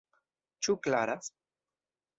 Ĉu klaras?